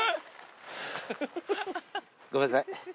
ごめんなさい。